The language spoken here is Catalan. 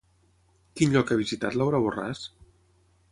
Quin lloc ha visitat Laura Borràs?